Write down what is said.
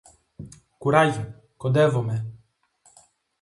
Κουράγιο, κοντεύομε!